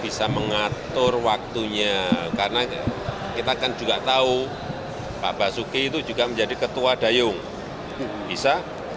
bisa mengatur waktunya karena kita kan juga tahu pak basuki itu juga menjadi ketua dayung bisa